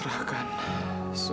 berikanlah kami yang terbaik